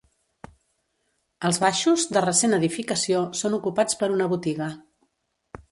Els baixos, de recent edificació, són ocupats per una botiga.